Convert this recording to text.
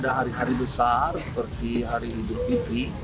ada hari hari besar seperti hari hidup pipi